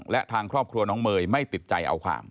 และทางครอบครัวน้องเมย์ไม่ติดใจเอาความ